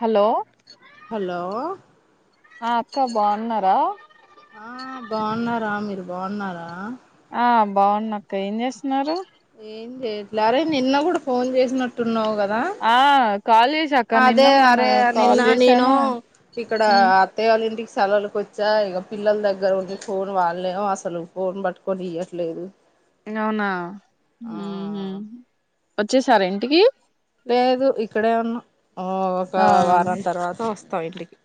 Hello hello ఆ అక్క బాగున్నారా ఆ బాగున్నారా మీరు బాగున్నారా ఆ బాగున్నా అక్క ఏం చేస్తున్నారు ఏం చేయట్లే అరే నిన్న కూడా ఫోన్ చేసినట్టున్నావు గ ఆ కాల్ జేశా అదే అరే నిన్న నేను ఇక్కడ అత్తయ్య వాళ్ళ ఇంటికి సెలవులకి వచ్చా ఇగ పిల్లల దగ్గర ఉండి ఫోన్ వాళ్లేం అసలు ఫోన్ పట్టుకొని ఇయట్లేదు. అవునా మ్మ్ హ్మ్ వచ్చేసారు ఇంటికి లేదు ఇక్కడే ఉన్నా ఆ ఒక ఆ వారం తర్వాత వస్ తా ఇంటికి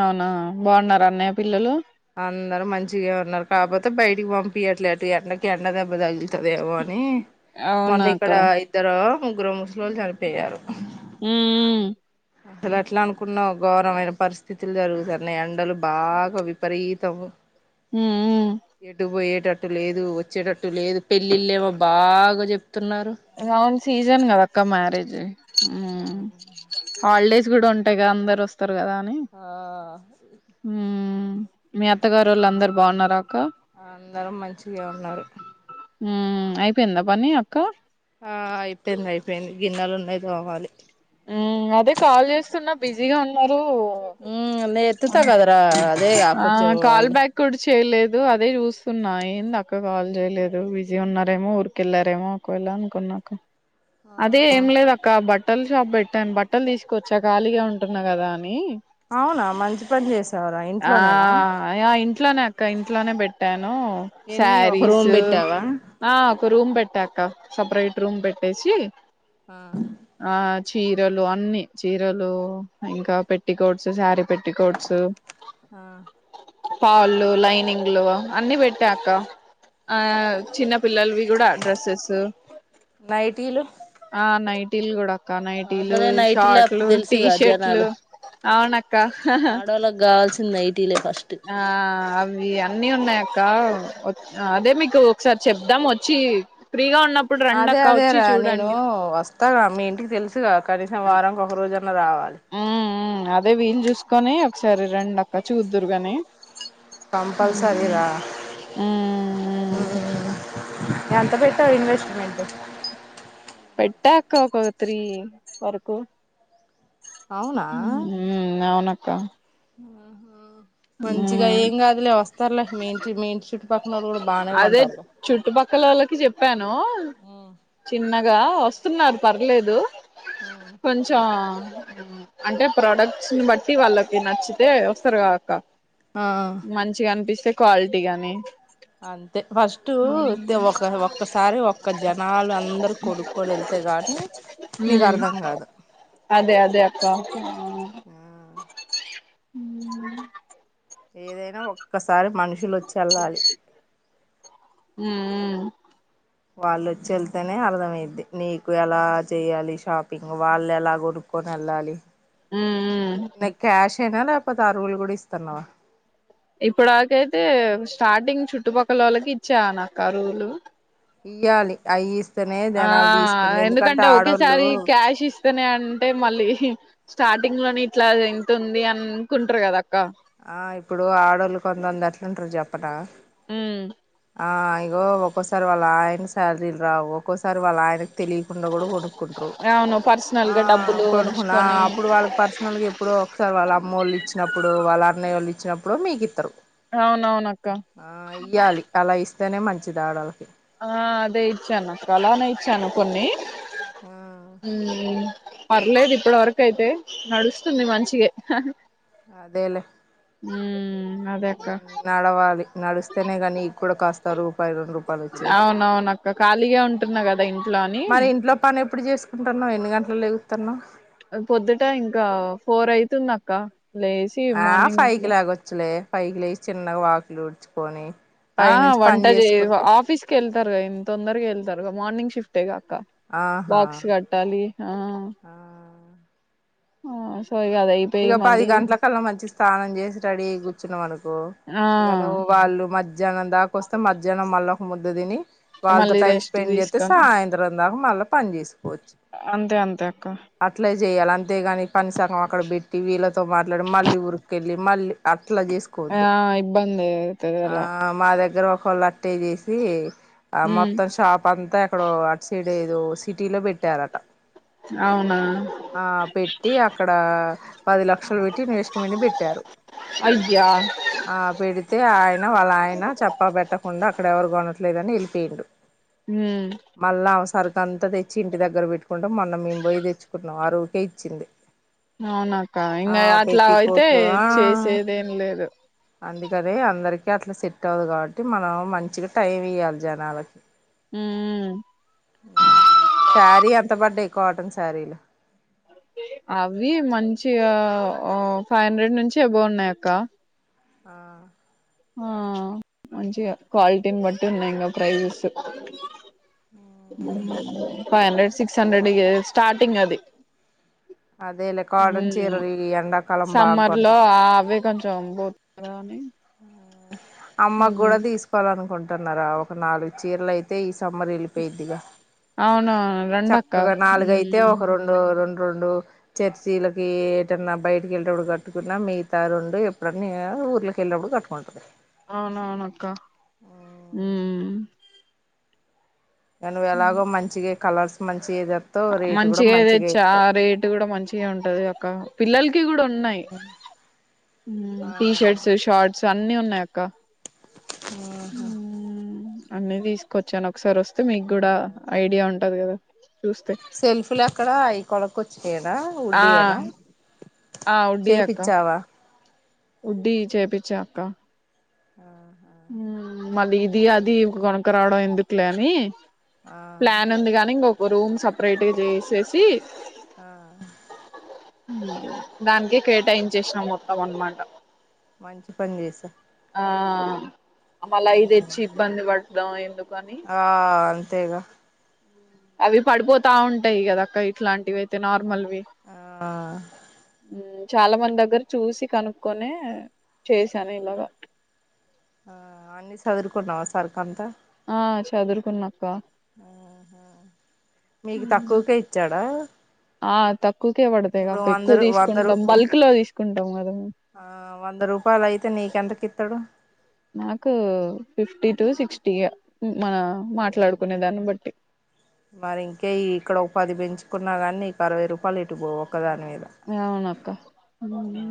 అవునా బాగున్నార అన్నయ్య పిల్లలు అందరు మంచిగా ఉన్నారు కాపోతే బయటికి పంపియట్లేటు ఎండకి ఎండ దెబ్బ దెబ్బ తగిల్తదేమో అని మొన్న అవునా అక్క ఇక్కడ ఇద్దరు ముగ్గురు ముసలోళ్లు చనిపోయారు. మ్మ్ అసలు ఎట్లా అనుకున్నావ్ ఘోరవమైన పరిస్థితులు జరుగుతాన్నాయి ఎండలు బాగా వీప్ విపరితంగా ఉమ్ ఉమ్ ఎటు పోయ్ ఏట్ టట్టు లేదు వచ్చేటట్టు లేదు పెళ్ళిళ్లేమో బాగా చెప్ అవును సీజన్ కదా అక్క మ్యారేజ్ హాలిడేస్ కూడా ఉంటాయిగా అందరు వస్తారు. ర కదా అని ఆ మ్మ్ మీ అత్తగారోళ్లు అందరు బాగున్నార్ కాక అందరూ మంచిగా ఉన్నారు. మ్ అయిపోయిందా పని అక్క ఆ అయిపోయింది అయిపోయింది గిన్నెలు ఉన్నాయి తోమాలి. మ్ అదే కాల్ చేస్తున్న బిజీగా ఉన్నారు ఉమ్ నేను అ ఎత్తుతా కదరా అదే ఆ కొంచెం కాల్ వాళ్ళని బ్యాక్ కూడ చే చేయలేదు అదే చూస్తున్నా ఏంది అక్క కాల్ చేయలేదు బిజీ ఉన్నారేమో ఊరికెళ్ళారేమో ఒకవేళ అనుకున్నా అక్క అదే ఏం ఆ లేదు అక్క బట్ బట్టల్ షాప్ పెట్టాను బట్టల్ తీసుకొచ్చా ఖాళీగా ఉంటన్నా కదా అని అవునా మంచి పని చేస్ ఆ యా ఇంట్లోనే అక్క ఇంట్లోనే పెట్టాను ఎన్ని ఒక శారీస్ రూమ్ పెట్టావా ఆ ఒక రూమ్ పెట్టా అక్క సపరేట్ రూమ్ పెట్టేసి అ ఆ చీరలు అన్నీ చీరలు ఇంకా పెట్టికోట్స్ శారీ పెట్టికోట్స్ అ పాళ్లు లైనింగ్లు అన్ని పెట్టా అక్క ఆ చిన్న పిల్లలవి కూడ డ్రెస్సెస్ నైటీలు ఆ నైట్ టీలు కూడ అ నైటీలు అసలే నైటీలు అప్పుడు షార్ట్లు తెలుసుగా టీషర్ట్లు జనాలు అవునక్క హ హా ఆడోళ్ళకి కావాల్సింది నైటీలే ఫస్ట్ ఆ అవి అన్నీ ఉన్నాయి అ క్క వ అదే మీకు ఒకసారి చెప్దాం వచ్చి ఫ్రీగా ఉన్నప్పుడు రండి అదే అక్క వచ్చి అదేరా నేను చూడండి వస్తాగా మీ ఇంటికి తెలుసుగా కనీసం వారానీకి ఒక రోజు అన్ న్న రావాలి ఉమ్ ఉమ్ అదే వీలు చూసుకొని ఒకసారి రండి అక్క చూద్దురు గాని కంపల్సరీ రా ఉమ్ ఎంత పె ట్టావు ఇన్వెస్ట్మెంట్ పెట్టా అక్క ఒక త్రీ వరకు అవునా హ్ అవున క్క మంచిగా ఏం కాదులే వస్తారులే మీ ఇంటి మీ ఇంటి చుట్టుపక్కనోళ్ళు కూడా బానే అదే కొంటారు గా చుట్టుపక్కలోళ్ళకి మ్ గా వస్తున్నారు పర్లేదు కొంచం హ్ అంటే ప్రోడక్ట్స్ ని బట్టి వాళ్ళకి నచ్చితే వస్తారు గా అక్క ఆ మంచిగా అనిపిస్తే క్వాలిటీ గాని అంతే ఫస్ట్ తే ఒక్కసారి ఒక్క జనాలు అందరు కొనుక్కొని వెళ్తే కానీ నీకు మ్మ్ అర్థం కాదు అదే అదే అక్క ఆ ఉ ఏదైనా ఒక్కసారి మనుషులు వోచ్చి వెళ్ళాలి మ్మ్ వాల్లోచ్చి ఏళ్తేనే అర్థమయిద్ది నీకు ఎలా చెయాలి. షాపింగ్ వాళ్ళు ఎలా కొనుక్కొని వఏ ఎళ్ళాలి మ్మ్ నీ క్యాష్ షేనా లేకపోతే ఆరువులు కూడా ఇస్తున్నావా ఇప్పుడాకైతే స్టార్టింగ్ చుట్టుపక్కలోళ్ళకి ఇచ్చా నక్కా రువులు ఇయ్యాలి అయి ఆ ఎందుకంటే ఆడోళ్ళు ఒకేసారి క్యాష్ ఇస్తేనే అంటే మళ్ళీ స్టార్టింగ్ లోనే ఇట్లా ఎంతుంది అనుకుంటరు కదా అక్క ఆ ఇప్పుడు ఆడోళ్ళు కొంతమంది ఎట్లుంటరు చెప్పనా ఆ ఇగో ఒక్కోసారి వాళ్ళ ఆయన శాలరీలు రావు ఒక్కోసారి వాళ్ళ ఆయన తెలియకుండా కూడా కొనుక్కుంటరు. అవును పర్సనల్ ఆ గా డబ్బులు కొనుక్కున్న ఉంచుకొని అప్పుడు వాళ్ళకి పర్సనల్గా ఎప్పుడో ఒకసారి వాళ్ళ అమ్మోళ్ళు ఇచ్చినప్పుడు వాళ్ళ అన్నయ్యోళ్ళు ఇచ్చినప్పుడు మీకు ఇత్తరు. అవునవునక్క ఆ ఇయ్యాలి అలా ఇస్తే తేనే మంచిది ఆడోళ్ళకి ఆ అదే ఇచ్చాను అక్కడ అలానే ఇచ్చాను కొన్ని ఆ హ్మ్ మ్మ్ పర్లేదు ఇప్పటి వరక అయితే నడుస్తుంది మంచిగే అదే లే హ్మ్ నడవాలి నడుస్తేనే గా నీ క్కూడా కాస్తా రూపాయ రెండు రూపాయలు వచ్చేది అవునవున అక్క ఖాళీగా ఉంటున్నా కదా ఇంట్లో అని తను పొద్దుట ఇంకా ఫోర్ అయితుందక్క ఆ ఫైకి లెగొచ్చులే ఫైకి లేసి చిన్నగా వాకిలి ఊడ్చుకొని ఆ పై నుంచి పని వంట చే చేసుకుంటే ఆఫీస్కి వెళ్తారు గా ఈయన తొందరగ వెళ్తారు మార్నింగ్ షిఫ్టేగా ఆక్క ఆహా బాక్స్ కట్టాలి ఆ ఆ ఆ సో ఇగ అది అయిపోయి ఇక పది మళ్ళీ గంటల కల్లా మంచి స్నానం చేసి స్టడీగ కూర్చున్నం అన్ ఆ ఇగ నువ్వు వాళ్ళు మధ్యాహ్నం దాకాస్తే మధ్యాహ్నం మళ్ళ ముద్ద తిని వాళ్ళతో మళ్ళీ టైమ్ రెస్ట్ స్పెండ్ చేస్తే తీసుకొని సాయంత్రం దాక మళ్ళా పని చేసుకోవచ్చు అంతే అంతే అక్క అట్ల జెయ్యాలం అంతే గాని పని సగం అక్కడ పెట్ టీ వీళ్లతో మాట్లాడం మళ్ళీ ఉరిక్ లిమాల అ [unintelligible] ఆ ఇబ్బందైతదల వాల్ అక్ స్టే చేసి ఆ ఉమ్ మొత్తం షాప్ అంతా ఎక్కడో అట్ సె లేదో సిటీలో పెట్టారట అవునా ఆ పెట్టి అక్కడ పది లక్షలు పెట్టి నేస్టుమని బెట్టారు అయ్యా ఆ పెడితే ఆయన వాళ్ళ ఆయన చెప్పా బెట్ట కుండా అక్కడ ఎవరు కొనట్లేదు అని వెళిపోయిండు ఉమ్ మళ్ళా అవసర్ అంత తెచ్చి ఇంటి దగ్గర పెట్టుకుంటం మొన్నం మేము పోయి తెచ్చుకున్నాం ఆరు ఉరికే ఇచ్చింది అవు నా ఆ ఇంగా అట్లా పెట్టి వయితే కోట్లు చేసేదేం లేదు అందుకదే అందరికీ అట్లా సెట్ అవుదు కాబట్టి మనం మంచిగా టైం ఇయ్యాలి జనాలకి ఉమ్ సారి ఎంత పడ్డాయ్ కాటన్ సారి లు అవి మంచిగా ఆ ఫైవ్ హండ్రెడ్ నుంచి ఎబొవ్ ఉన్నాయ్ అక్క ఆ ఆ మంచిగా క్వాలిటీని బట్టి ఉన్నాయ్ ఇంకా ప్రైజెస్ అ ఫైవ్ హండ్రెడ్ సిక్స్ హండ్రెడ్ గే స్టార్టింగ్ అది అదేలే కాడన్ చీరలు ఈ ఎడాకాలం బాగ్ కొంటరు జంపోదు గాని ఆ అమ్మకు కూడ తీసుకోవాలనుకుంట టన్నార ఒక నాలుగు చీరలు అయితే ఈ సమ్మర్ ఎళ్ళిపోయిద్దిగా అవునవును రండక్క చక్కగా నాలుగయితే ఒక రెండు రెండ్ రెండు చర్చీలకీ ఏటన్నా బయటకి వెళ్లేటప్పుడు కట్టుకున్నాం మిగతా రొండు ఎప్పుడన్న ఊర్ల ఎల్లినప్పుడు కట్టుకుంటది అవునవునక్కా హుమ్ ఇగ నువు ఎలాగో మంచిగా కలర్స్ మం మంచిగా తెచ్చా రేటు కూడా మంచిగా ఉంటది అక్క పిల్లలకి కి గుడ ఉన్ ఉన్నాయ్ హుమ్ ఆ టీషర్ట్స్ షార్ట్స్ అన్నీ ఉన్నాయ్ అక్క ఆహా అన్ని తీసుకొచ్చాను ఒకసారి వస్తే మీ గుడా ఐడియా ఉంటది కదా చూస్తే సెల్ఫీలు అక్కడ అవి కొనుకచినయే నా ఆ వడ్డియనా చేపిచ్చావా వుడ్ ఇ చేపిచ్చ అక్క ఉమ్ మళ్ళీ ఇది అది గోనక రావడం ఎందుకులే అని ఆ ప్లాన్ ఉంది గాని ఇంగో రూమ్ సపరేట్గా చేసేసి ఆ ఉ దానికే కేటాయించేసినం మొత్తం అన్ మాట మంచి పని చేసా ఆ ఆ మల్ల అయి తేచ్చి ఇబ్బంది పడు ద ఏందు ఆ అంతేగా అవి పడిపోతా ఉంటాయి కదక్క ఇట్లాంటివి అయితే నార్మల్ వి ఆ ఉ చాలా మంది దగ్గర చూసి కాన్కోనే చేసాను ఇలాగా ఆ అన్ని సదురుకున్నావా సరుకు అంతా ఆ చదురుకున్నాక్క మీకు హ్మ్ తక్కువకే ఇచ్చాడా ఆ తక్ ఇప్పుడు వందరు వందరు ఓ బల్క్ లో తీసుకుంటాం కదా మేము ఆ వంద రూపాయలు అయితే నీకెంతకితడు నాకు ఫిఫ్టీ టు సిక్స్టీ ఇగ మన మాట్లాడుకునే దాన్ని బట్టి మరి ఇంకే ఇక్కడ ఒ పది పెంచుకున్నా కానీ నీకు అరవై రూపాయలు ఎటు బోవు ఒకదా అవునక్క ఉ ఉ ఆ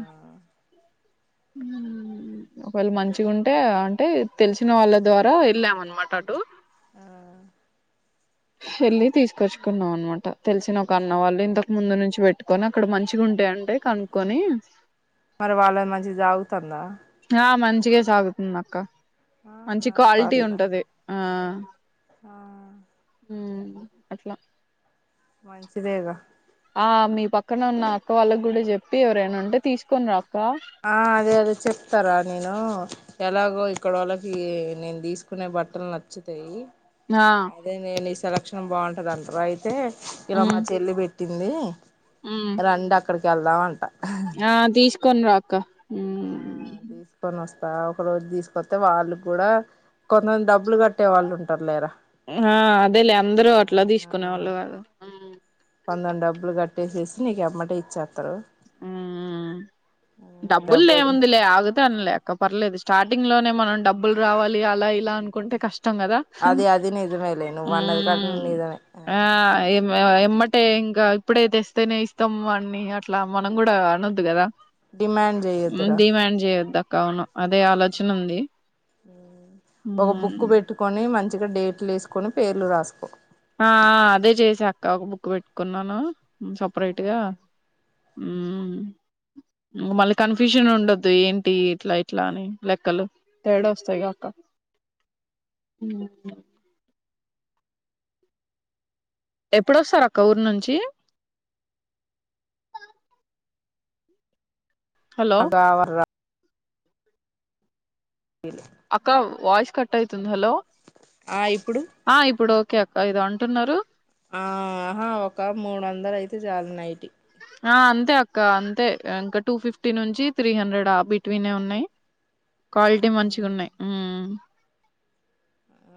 ఒకవేళ మంచిగా ఉంటే అంటే తెలిసిన వాళ్ళ ద్వారా వెళ్ళాం అనమాట అటు ఆ వెళ్ళి తీసుకొచ్చుకున్నాం అనమాట తెలిసిన ఒక అన్న వాళ్ళు ఇంతకు ముందు నుంచి పెట్టుకొని అక్కడ మంచి ఉంటాయింటే కనుక్కొని తంద ఆ మంచిగే సాగుతుంది అక్క మంచి ఆహా క్వాలిటీ పర్లే ఉంటది ఆ ఆ ఆ ఉ అట్లా మంచిదే గా ఆ మీ పక్కన ఉన్న అక్క వాళ్ళకి కూడా చెప్పి ఎవరైనా ఉంటే తీసుకొని రా అక్క ఆ అదే అదే చెప్తారా నేను ఎలాగో ఇక్కడోళ్ళకీ నేను తీసుకునే బట్టలు నచ్చుతయీ ఆ అదే నేనీ సెలక్ష బాగుంటంది అంటరు అయితే ఇలా ఉమ్ మాచెల్లె పెట్టింది లే రండక్ ఇక్కడికెళ్దాం అంది ఆ తీస్ కొన్ రాక ఆ తీసుకొని వస్ ఒక రోజు తీసుకొత్తే వాళ్ళు కూడా కొంతంది డబ్బులు కట్టే వాళ్ళు ఉంటారు లేరా ఆ అదే లే అందరూ అట్లా తీసుకునేవాళ్ళు కాద కొందం డబ్బులు కట్ పే చేేసి నీకు ఎమ్మటే ఇచ్చేత్తరు హుం మ్ మ్ డబ్బుది డబ్బుల్దేముందిలే ఆగ్ సన్ లే అక్క పర్లేదు స్టార్టింగ్ లోనే మనం డబ్బులు రావాలి అలా ఇలా అనుకుంటే కష్ టం కదా అది అది నిజమేలే నువ్వు అన్నది కూడా నిజమే ఎమ్మటే ఇంకా ఇప్పుడైతే ఇస్తేనే ఇస్తాం వన్నీ అట్లా మనం కూడా అనొద్దు కదా డిమాండ్ ఉమ్ చేయొద్దురా డిమాండ్ చేయద్ద అవును అదే ఆలోచన ఉంది ఉమ్ గ డేట్లు వేసుకొని పేర్లు రాసుకో ఆ ఆ అదే చేసా అక్క ఒక బుక్ పెట్టుకున్నాను సపరేట్ గా మ్ మళ్ళీ కన్ఫ్యూషన్ ఉండొద్దు ఏంటి ఇట్ల ఇట్ల అని లెక్కలు తేడా వస్తాయి గా అక్క ఎప్పుడొస్తారు అక్క ఊరు నుంచి హలో! అదావద ఇ [unintelligible] అక్క వాయిస్ కట్ అయితుంది హలో ఆ ఇప్పుడు కే అక్క ఏదో అంటున్నరు ఆహా ఒక మూడు వందలు అయితే చాల నైటి ఆ అంతే అక్క అంతే ఇంకా టూ ఫిఫ్టీ నుంచి త్రీ హండ్రెడ్ ఆ బిట్వీనే ఉన్నాయి క్వాలిటీ మంచిగా ఉన్నాయి ఉమ్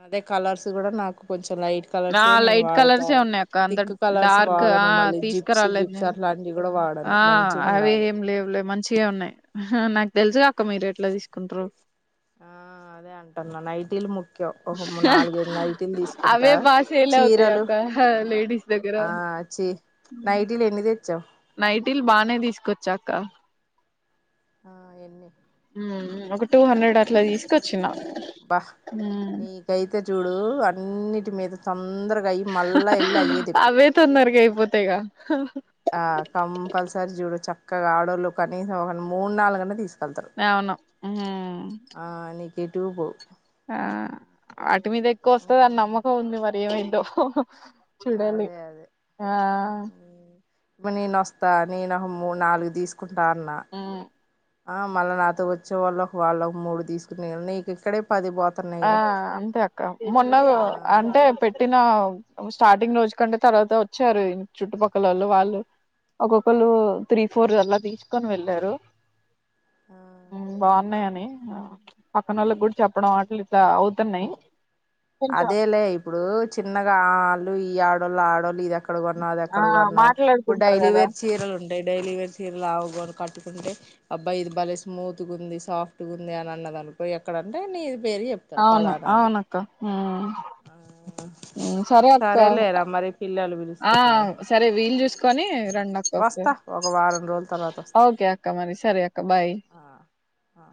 అదే కలర్స్ కూడా నాకు కొంచెం లైట్ ఆ కలర్సే నేను లైట్ వాడతా కలర్సే ఉన్నయి అక్క అంత థిక్ కలర్స్ డార్క్ ఆ వాడను మళ్ళీ జిప్స్ తీసుకురాలేదు గిప్స్ నేను అట్లాంటివి కూడా వాడను ఆ మంచిగా అవి ఉండాలి ఏం లేవులే మంచిగే ఉన్నాయి. నా తెల్సుగా ఆ అదే అంటన్నా నైటీలు ముక్ అవే బా సేల్స్ అవుతయి చీరలు అక్క లేడిస్ దగ్గరా ఆ చి నైటీలు ఎన్ని తెచ్చావు నైటీల్ బానే తీసుకొచ్చా అక్కా ఆ ఎన్ని? ఒక టూ హండ్రెడ్ అట్ల తీసుకొచ్ భ నీకైతే చూడు అన్నీ మీద తొందరగా అయి మళ్ళా వెళ్ళి అయ్యే అవే తెప్పిస్తావు తొందర్గా అయిపోతయిగా [inaudible] ఆ కంపల్సరీ జూడు చక్కగా ఆడోళ్ళు కనీసం ఒక మూడు నాలుగన్న తీస్ అవును హ్ మ్ టూబ్ ఆ అ ఇట్ మీద ఎక్కువ వస్తదిని ఉమ్, నమ్మకం ఉంది మరి ఏమై దో చూడాలి అదే ఆ ఇప్పుడ్ నేనొస్తా నేను మూడు నాలుగు తీస్ కుంట అన్న. ఆ మళ్ళ నాతో వచ్చే వాళ్ళకు వాళ్ళకు మూడు తీసుకుని వెళ్ళనీ ఇక ఇక్కడే పది ఆ పోతున్నాయిగా అంతే అక్క మొన్న ఆ అంటే పెట్టినా ఒక స్టార్టింగ్ రోజు కంటే తర్వాత వచ్చారు చుట్టుపక్కలోళ్ళు వాళ్ళు ఒక్కొక్కళ్ళు త్రీ ఫోర్ అలా తీసుకొని వెళ్ళారు. ఆ మ్ బాగున్నాయని పక్కనోళ్ళకి గుడా చెప్పడం [inaudible] అవుతున్నయి. అదేలే ఇప్పుడూ చిన్నగా ఆళ్ళు ఈ ఆడ్ ళ్ళు ఆడోళ్ళు. ఎక్కడ కొన్నావు అది ఆ ఎక్కడ కొన్నావు ఇప్పుడు మాట్లాడుకుంటారు డైలీ కదా వేర్ చీరలుంటయి డైలీ వేర్ చీరలు ఆ కొ కట్ అంటే అబ్బా ఇది భలే స్మూత్గుంది సాఫ్ట్గుంది అని అన్నది అనుకో ఎక్కడంటే నీ అవును అవునక్క ఆవు సరే అక్కా పిల్లలు ఆ పిలుస్తున్నారు సరే వీలు చూసుకో కనీ రెం అక్క వస్తా ఒకసారి ఒక వారం రోజుల తర్వాత ఒకే అక్క మరి సరే అక్క బై్ వస్తా